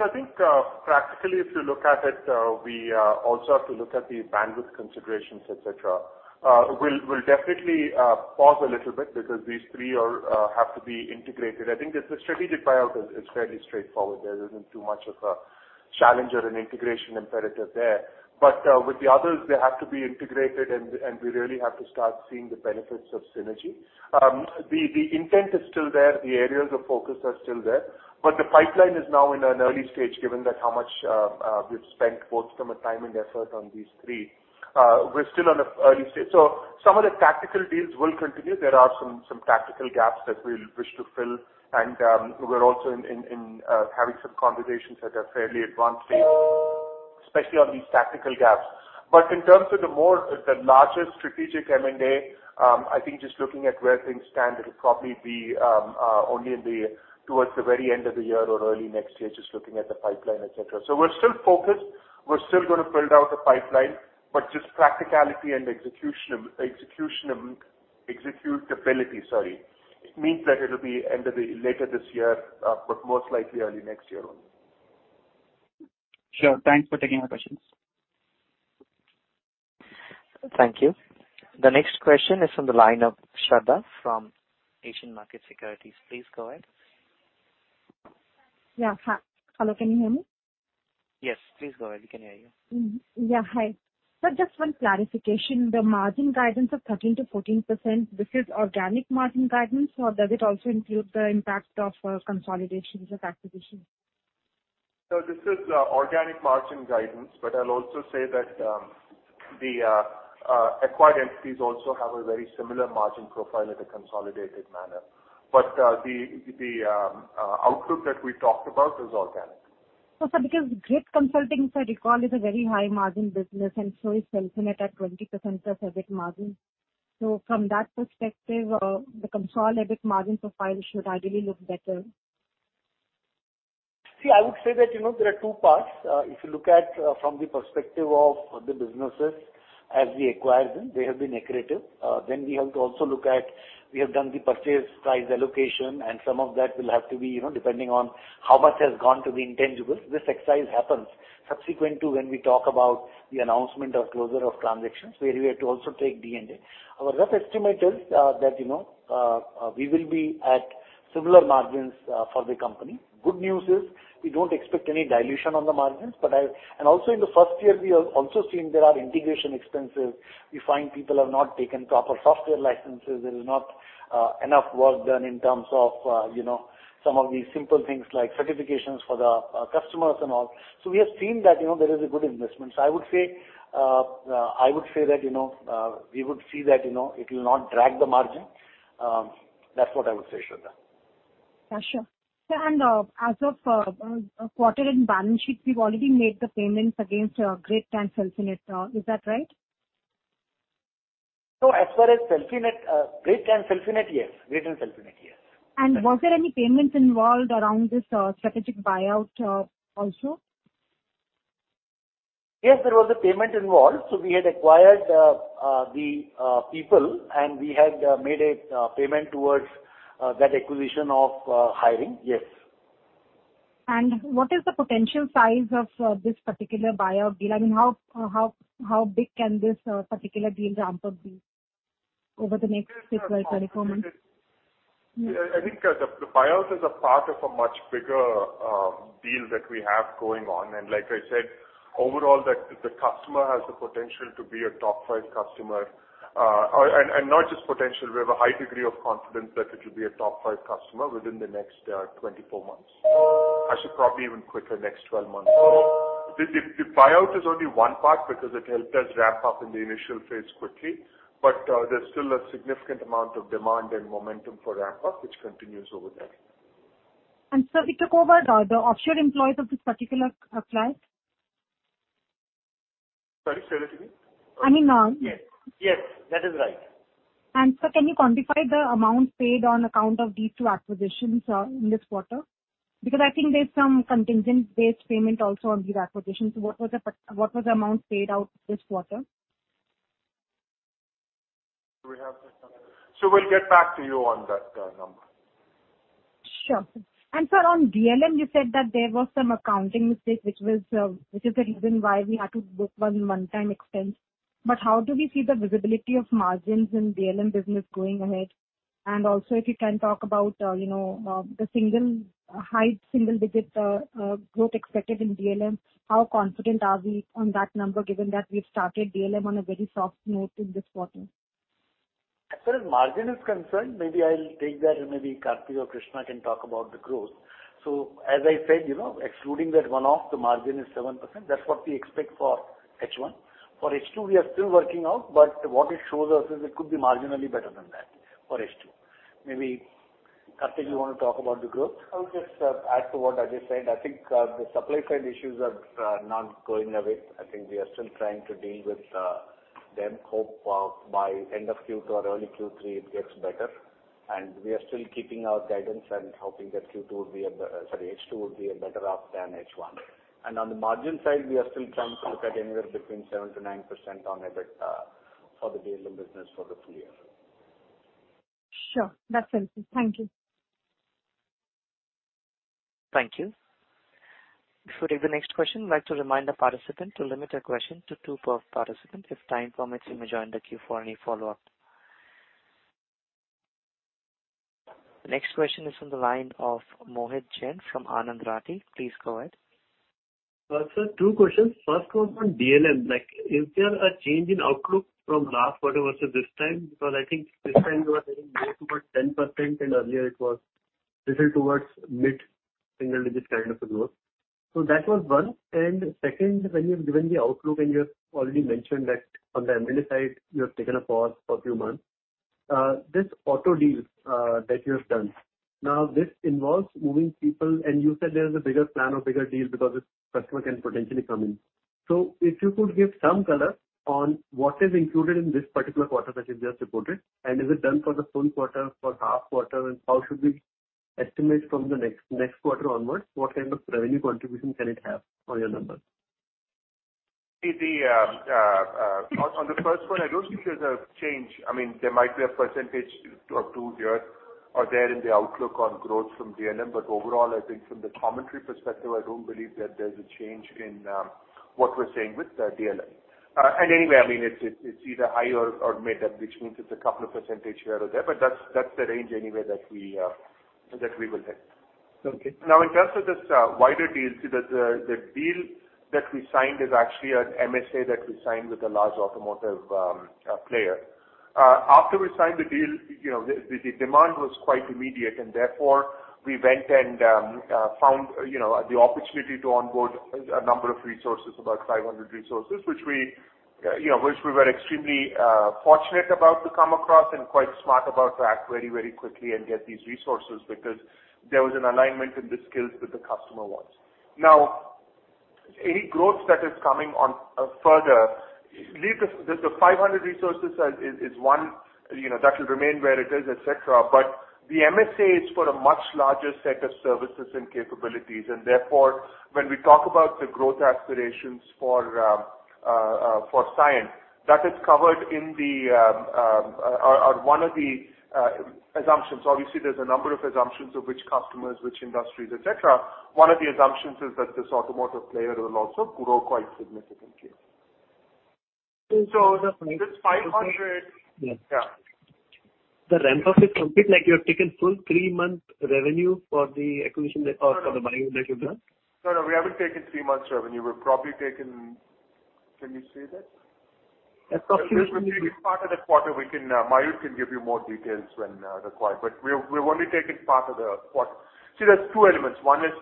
I think, practically, if you look at it, we also have to look at the bandwidth considerations, et cetera. We'll definitely pause a little bit because these three have to be integrated. I think the strategic buyout is fairly straightforward. There isn't too much of a challenge or an integration imperative there. With the others, they have to be integrated, and we really have to start seeing the benefits of synergy. The intent is still there. The areas of focus are still there. The pipeline is now in an early stage, given that how much we've spent both from a time and effort on these three. We're still in an early stage. Some of the tactical deals will continue. There are some tactical gaps that we'll wish to fill, and we're also having some conversations that are fairly advanced stage, especially on these tactical gaps. In terms of the larger strategic M&A, I think just looking at where things stand, it'll probably be only towards the very end of the year or early next year, just looking at the pipeline, et cetera. We're still focused. We're still gonna build out the pipeline, but just practicality and executability means that it'll be end of the later this year, but most likely early next year on. Sure. Thanks for taking my questions. Thank you. The next question is from the line of Shradha from Asian Markets Securities. Please go ahead. Yeah. Hello, can you hear me? Yes. Please go ahead. We can hear you. Yeah. Hi. Just one clarification, the margin guidance of 13%-14%, this is organic margin guidance, or does it also include the impact of consolidations of acquisitions? This is organic margin guidance, but I'll also say that the acquired entities also have a very similar margin profile in a consolidated manner. The outlook that we talked about is organic. Sir, because Grit Consulting, if I recall, is a very high margin business and so is Celfinet at 20% EBIT margin. From that perspective, the consolidated margin profile should ideally look better. See, I would say that, you know, there are two parts. If you look at from the perspective of the businesses as we acquired them, they have been accretive. Then we have to also look at, we have done the purchase price allocation, and some of that will have to be, you know, depending on how much has gone to the intangibles. This exercise happens subsequent to when we talk about the announcement or closure of transactions where we have to also take D&A. Our rough estimate is that, you know, we will be at similar margins for the company. Good news is we don't expect any dilution on the margins. Also in the first year, we are also seeing there are integration expenses. We find people have not taken proper software licenses. There is not enough work done in terms of, you know, some of these simple things like certifications for the customers and all. We have seen that, you know, there is a good investment. I would say that, you know, we would see that, you know, it will not drag the margin. That's what I would say, Shraddha. Yeah, sure. Sir, as of quarter-end balance sheet, we've already made the payments against Grit and Celfinet. Is that right? As far as Celfinet and Grit, yes. Was there any payments involved around this strategic buyout also? Yes, there was a payment involved. We had acquired the people, and we had made a payment towards that acquisition of hiring. Yes. What is the potential size of this particular buyout deal? I mean, how big can this particular deal ramp up be over the next six, 12, 24 months? I think the buyout is a part of a much bigger deal that we have going on. Like I said, overall the customer has the potential to be a top five customer. Not just potential, we have a high degree of confidence that it will be a top five customer within the next 24 months. Actually, probably even quicker, next 12 months. The buyout is only one part because it helped us ramp up in the initial phase quickly, but there's still a significant amount of demand and momentum for ramp up, which continues over there. Sir, it took over the offshore employees of this particular client? Sorry, say that again. I mean. Yes. Yes, that is right. Sir, can you quantify the amount paid on account of these two acquisitions in this quarter? Because I think there's some contingent-based payment also on these acquisitions. What was the amount paid out this quarter? Do we have that number? We'll get back to you on that number. Sure. Sir, on DLM, you said that there was some accounting mistake, which was, which is the reason why we had to book one-time expense. How do we see the visibility of margins in DLM business going ahead? Also if you can talk about the single, high single digit growth expected in DLM, how confident are we on that number, given that we've started DLM on a very soft note in this quarter? As far as margin is concerned, maybe I'll take that and maybe Karthik or Krishna can talk about the growth. As I said, you know, excluding that one-off, the margin is 7%. That's what we expect for H1. For H2, we are still working out, but what it shows us is it could be marginally better than that for H2. Maybe, Karthik, you wanna talk about the growth? I'll just add to what Ajay said. I think the supply side issues are not going away. I think we are still trying to deal with them. Hope by end of Q2 or early Q3 it gets better. We are still keeping our guidance and hoping that H2 will be better off than H1. On the margin side, we are still trying to look at anywhere between 7%-9% on EBITDA for the DLM business for the full year. Sure. That's it. Thank you. Before we take the next question, I'd like to remind the participant to limit their question to two per participant. If time permits, you may join the queue for any follow-up. The next question is from the line of Mohit Jain from Anand Rathi. Please go ahead. Sir, two questions. First one on DLM. Like, is there a change in outlook from last quarter versus this time? Because I think this time you are saying more towards 10%, and earlier it was little towards mid-single digit kind of a growth. That was one. Second, when you've given the outlook and you've already mentioned that on the M&A side you have taken a pause for a few months, this auto deal that you have done, now, this involves moving people, and you said there's a bigger plan or bigger deal because this customer can potentially come in. If you could give some color on what is included in this particular quarter that you've just reported, and is it done for the full quarter, for half quarter? How should we estimate from the next quarter onwards, what kind of revenue contribution can it have on your numbers? On the first one, I don't think there's a change. I mean, there might be a percentage or two here or there in the outlook on growth from DLM, but overall, I think from the commentary perspective, I don't believe that there's a change in what we're saying with DLM. Anyway, I mean, it's either high or mid at, which means it's a couple of percentage here or there, but that's the range anyway that we will take. Okay. Now, in terms of this wider deal, the deal that we signed is actually an MSA that we signed with a large automotive player. After we signed the deal, you know, the demand was quite immediate, and therefore we went and found, you know, the opportunity to onboard a number of resources, about 500 resources, which we were extremely fortunate about to come across and quite smart about to act very quickly and get these resources because there was an alignment in the skills that the customer wants. Now, any growth that is coming on further, leaving the 500 resources, is one, you know, that should remain where it is, et cetera. The MSA is for a much larger set of services and capabilities, and therefore, when we talk about the growth aspirations for Cyient, that is covered in the or one of the assumptions. Obviously, there's a number of assumptions of which customers, which industries, et cetera. One of the assumptions is that this automotive player will also grow quite significantly. This 500- Yeah. The ramp-up is complete. Like, you have taken full three-month revenue for the acquisition or for the buying that you've done? No, no, we haven't taken three months revenue. We've probably taken. Can you say that? That's okay. We've taken part of the quarter. We can, Mayur can give you more details when required. We've only taken part of the quarter. See, there's two elements. One is,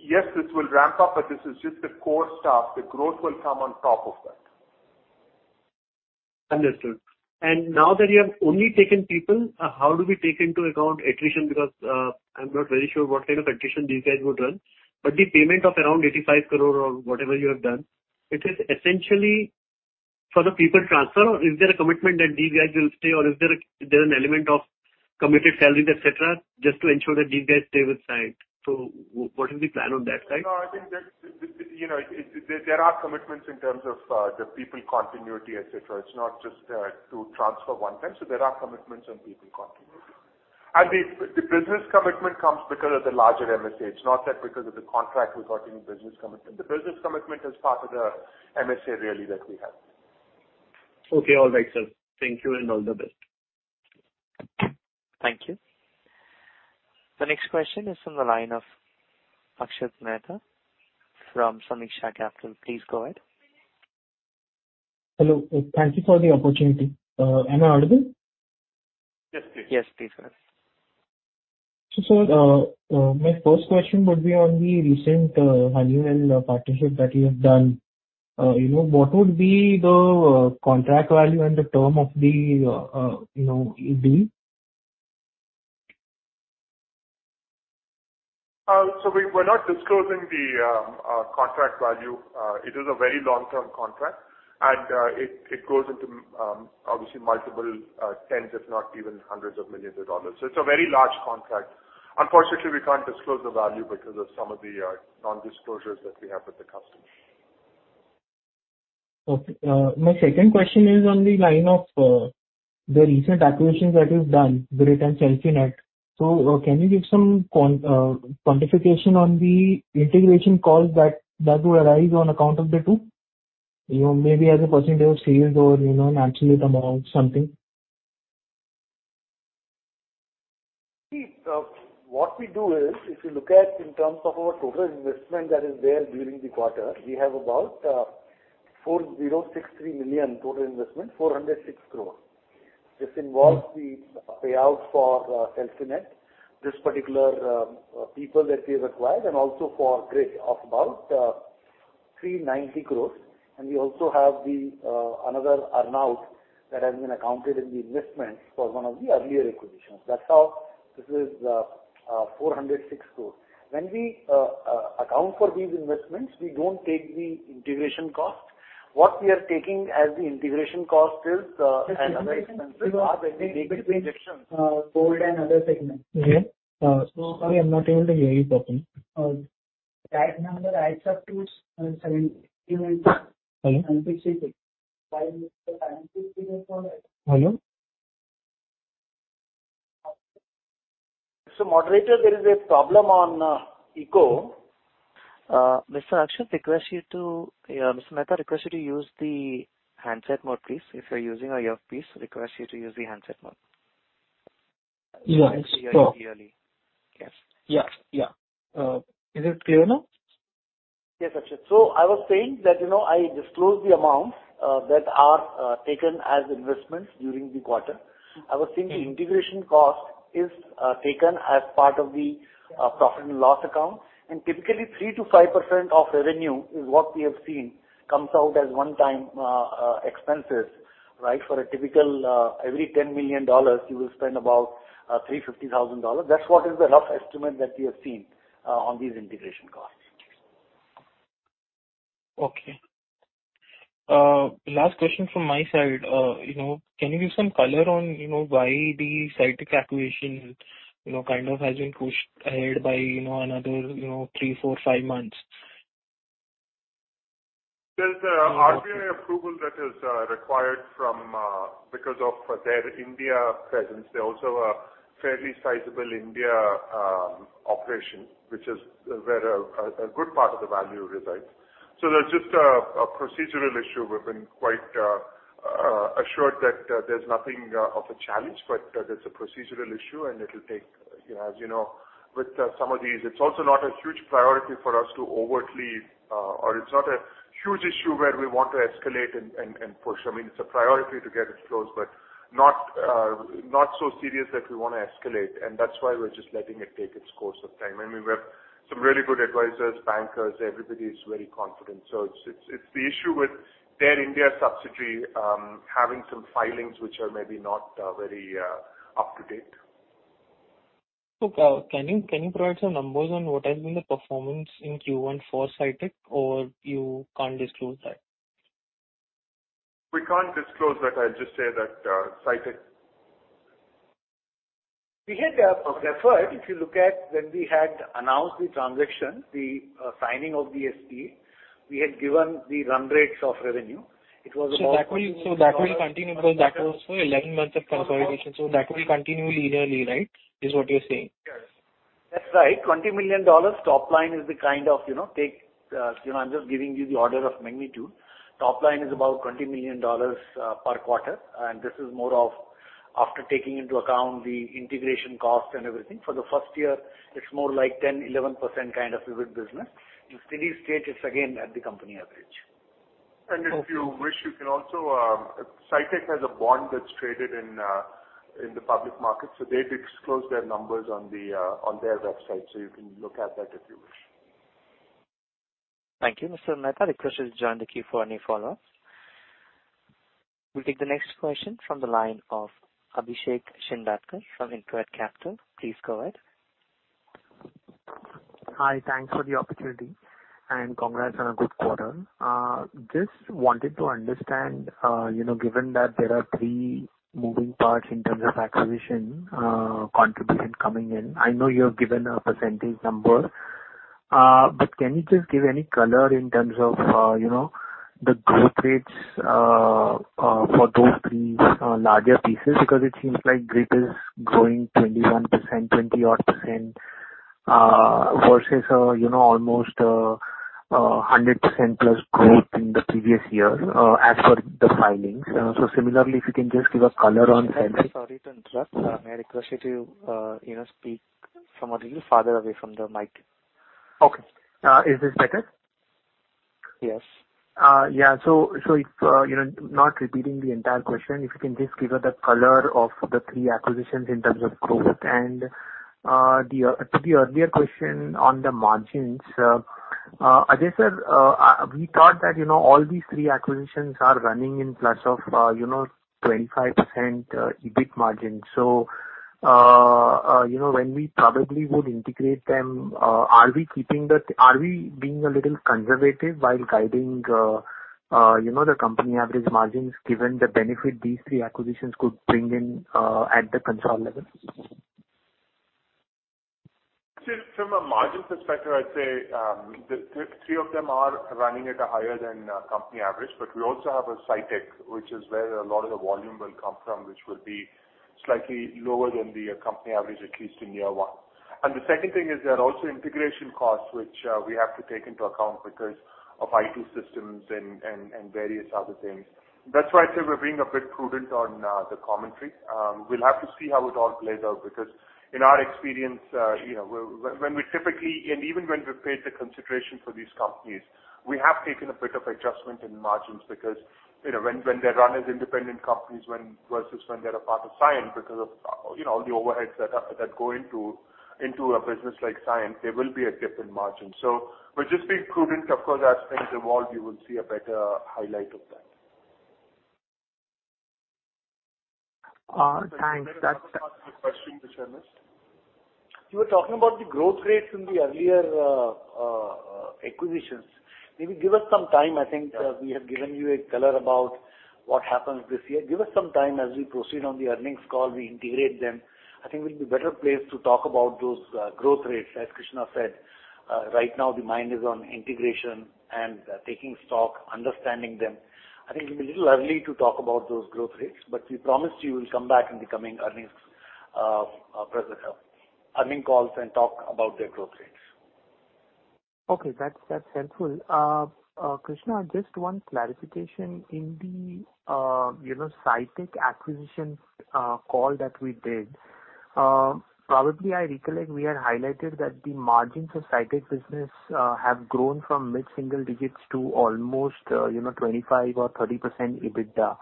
yes, this will ramp up, but this is just the core staff. The growth will come on top of that. Understood. Now that you have only taken people, how do we take into account attrition? Because I'm not very sure what kind of attrition these guys would run. The payment of around 85 crore or whatever you have done, it is essentially for the people transfer, or is there a commitment that these guys will stay or is there an element of committed salaries, et cetera, just to ensure that these guys stay with Cyient? What is the plan on that side? No, I think that, you know, there are commitments in terms of the people continuity, etc. It's not just to transfer one time. There are commitments on people continuity. The business commitment comes because of the larger MSA. It's not that because of the contract we got any business commitment. The business commitment is part of the MSA really that we have. Okay. All right, sir. Thank you, and all the best. Thank you. The next question is from the line of Akshat Mehta from Sameeksha Capital. Please go ahead. Hello. Thank you for the opportunity. Am I audible? Yes, please. Yes, please sir. My first question would be on the recent Honeywell partnership that you have done. You know, what would be the, you know, deal? We're not disclosing the contract value. It is a very long-term contract. It goes into obviously multiple tens, if not even hundreds, of millions of dollars. It's a very large contract. Unfortunately, we can't disclose the value because of some of the non-disclosures that we have with the customer. Okay. My second question is on the line of the recent acquisitions that you've done, Grit and Celfinet. Can you give some quantification on the integration cost that will arise on account of the two? You know, maybe as a percentage of sales or, you know, an absolute amount, something. See, what we do is if you look at in terms of our total investment that is there during the quarter, we have about 406.3 million total investment, 406 crore. This involves the payouts for Celfinet, this particular people that we acquired, and also for Grit of about 390 crores. We also have the another earn-out that has been accounted in the investments for one of the earlier acquisitions. That's how this is 406 crores. When we account for these investments, we don't take the integration costs. What we are taking as the integration cost is Gold and other segments. Yeah. Sorry, I'm not able to hear you properly. That number adds up to 70. Hello? Hello? Moderator, there is a problem on echo. Mr. Mehta requests you to use the handset mode, please. If you're using earpiece, requests you to use the handset mode. Yeah, sure. We can hear you clearly. Yes. Yeah. Is it clear now? Yes, Akshat. I was saying that, you know, I disclosed the amount that are taken as investments during the quarter. I was saying the integration cost is taken as part of the profit and loss account. Typically 3%-5% of revenue is what we have seen comes out as one-time expenses, right? For a typical every $10 million, you will spend about $350,000. That's what is the rough estimate that we have seen on these integration costs. Okay. Last question from my side. You know, can you give some color on, you know, why the Citec acquisition, you know, kind of has been pushed ahead by, you know, another, you know, three, four, five months? There's an RBI approval that is required because of their India presence. They also are fairly sizable India operation, which is where a good part of the value resides. There's just a procedural issue. We've been quite assured that there's nothing of a challenge, but there's a procedural issue, and it'll take, you know, as you know, with some of these, it's also not a huge priority for us to overtly, or it's not a huge issue where we want to escalate and push. I mean, it's a priority to get it closed, but not so serious that we wanna escalate, and that's why we're just letting it take its course of time. I mean, we have some really good advisors, bankers, everybody is very confident. It's the issue with their India subsidiary having some filings which are maybe not very up to date. Can you provide some numbers on what has been the performance in Q1 for Cyient, or you can't disclose that? We can't disclose that. I'll just say that. We had referred, if you look at when we had announced the transaction, the signing of the SPA, we had given the run rates of revenue. It was about- That will continue because that was for 11 months of consolidation, so that will continue linearly, right? Is what you're saying. Yes. That's right. $20 million top line is the kind of, you know, take, you know, I'm just giving you the order of magnitude. Top line is about $20 million per quarter, and this is more of after taking into account the integration cost and everything. For the first year, it's more like 10%-11% kind of EBIT business. In steady state, it's again at the company average. If you wish, you can also. Citec has a bond that's traded in the public market, so they disclose their numbers on their website, so you can look at that if you wish. Thank you. Mr. Mehta requests you to join the queue for any follow-ups. We'll take the next question from the line of Abhishek Shindadkar from InCred Capital. Please go ahead. Hi. Thanks for the opportunity and congrats on a good quarter. Just wanted to understand, you know, given that there are three moving parts in terms of acquisition, contribution coming in, I know you have given a percentage number, but can you just give any color in terms of, you know, the growth rates, for those three, larger pieces? Because it seems like Grit is growing 21%, 20-odd%, versus, you know, almost a 100%+ growth in the previous year, as per the filings. Similarly, if you can just give a color on- Sorry to interrupt. May I request you to, you know, speak from a little farther away from the mic? Okay. Is this better? Yes. If you know, not repeating the entire question, if you can just give us the color of the three acquisitions in terms of growth and to the earlier question on the margins, I guess we thought that, you know, all these three acquisitions are running in plus of, you know, 25% EBIT margin. When we probably would integrate them, are we being a little conservative while guiding, you know, the company average margins given the benefit these three acquisitions could bring in at the control level? From a margin perspective, I'd say the three of them are running at a higher than company average. We also have a Citec, which is where a lot of the volume will come from, which will be slightly lower than the company average, at least in year one. The second thing is there are also integration costs which we have to take into account because of IT systems and various other things. That's why I say we're being a bit prudent on the commentary. We'll have to see how it all plays out because in our experience, you know, when we typically. Even when we paid the consideration for these companies, we have taken a bit of adjustment in margins because, you know, when they run as independent companies versus when they're a part of Cyient because of, you know, all the overheads that go into a business like Cyient, there will be a dip in margin. We're just being prudent. Of course, as things evolve, you will see a better highlight of that. Thanks. That's There was another part of the question which I missed. You were talking about the growth rates in the earlier acquisitions. Maybe give us some time. I think we have given you a color about what happens this year. Give us some time as we proceed on the earnings call, we integrate them. I think we'll be better placed to talk about those growth rates. As Krishna said, right now the mind is on integration and taking stock, understanding them. I think it'll be a little early to talk about those growth rates, but we promise you we'll come back in the coming earnings present earning calls and talk about their growth rates. Okay, that's helpful. Krishna, just one clarification. In the, you know, Citec acquisition, call that we did, probably I recollect we had highlighted that the margins of Citec business have grown from mid-single digits to almost, you know, 25 or 30% EBITDA.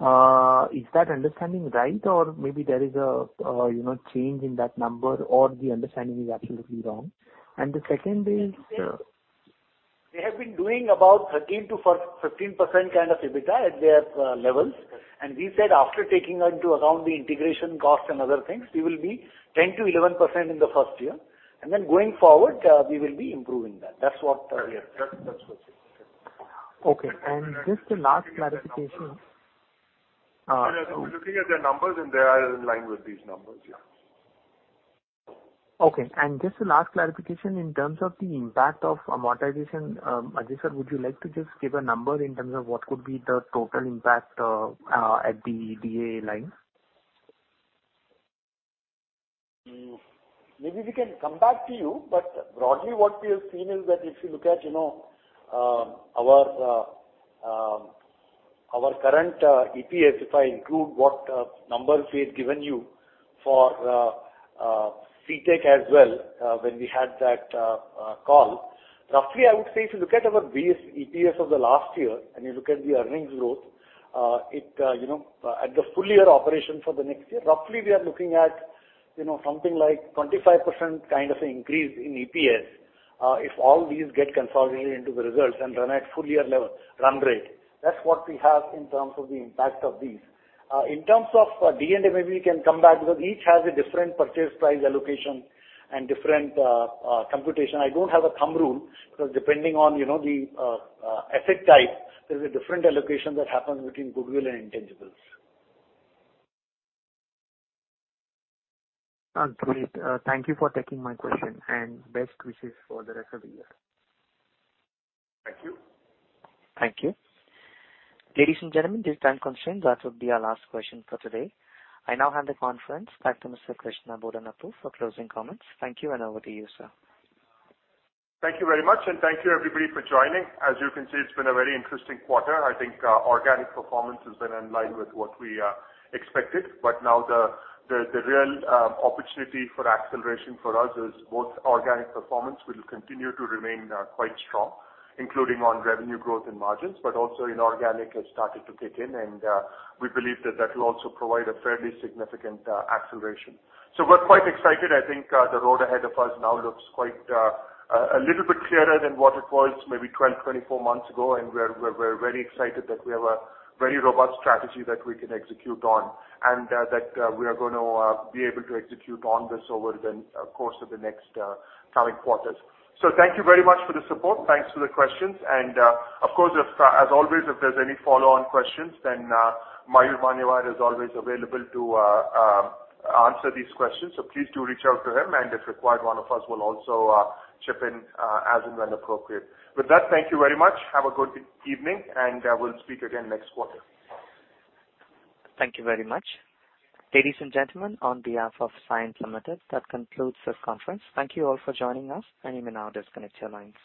Is that understanding right? Or maybe there is a, you know, change in that number or the understanding is absolutely wrong. The second is, They have been doing about 13%-15% kind of EBITDA at their levels. We said after taking into account the integration costs and other things, we will be 10%-11% in the first year. Then going forward, we will be improving that. That's what, yeah. That's what it is. Okay. Just a last clarification. If you look at their numbers and they are in line with these numbers, yeah. Okay. Just a last clarification in terms of the impact of amortization. Ajay Aggarwal sir, would you like to just give a number in terms of what could be the total impact at the D&A line? Maybe we can come back to you, but broadly what we have seen is that if you look at, you know, our current EPS, if I include what numbers we had given you for Citec as well, when we had that call. Roughly I would say if you look at our base EPS of the last year and you look at the earnings growth, it you know at the full year operation for the next year, roughly we are looking at, you know, something like 25% kind of an increase in EPS, if all these get consolidated into the results and run at full year level run rate. That's what we have in terms of the impact of these. In terms of D&A, maybe we can come back because each has a different purchase price allocation and different computation. I don't have a thumb rule because depending on, you know, the asset type, there's a different allocation that happens between goodwill and intangibles. Great. Thank you for taking my question and best wishes for the rest of the year. Thank you. Thank you. Ladies and gentlemen, due to time constraints, that would be our last question for today. I now hand the conference back to Mr. Krishna Bodanapu for closing comments. Thank you and over to you, sir. Thank you very much and thank you everybody for joining. As you can see, it's been a very interesting quarter. I think, organic performance has been in line with what we expected. Now the real opportunity for acceleration for us is both organic performance will continue to remain quite strong, including on revenue growth and margins. Also inorganic has started to kick in, and we believe that will also provide a fairly significant acceleration. We're quite excited. I think, the road ahead of us now looks quite a little bit clearer than what it was maybe 12, 24 months ago. We're very excited that we have a very robust strategy that we can execute on and that we are gonna be able to execute on this over the course of the next coming quarters. Thank you very much for the support. Thanks for the questions. Of course, as always, if there's any follow-on questions then Mayur Maniyar is always available to answer these questions. Please do reach out to him and if required, one of us will also chip in as and when appropriate. With that, thank you very much. Have a good evening and we'll speak again next quarter. Thank you very much. Ladies and gentlemen, on behalf of Cyient Limited, that concludes this conference. Thank you all for joining us and you may now disconnect your lines.